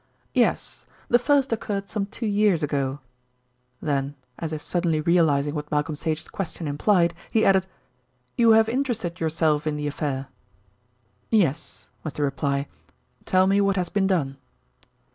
"Yes, the first occurred some two years ago." Then, as if suddenly realising what Malcolm Sage's question implied, he added: "You have interested yourself in the affair?" "Yes," was the reply. "Tell me what has been done."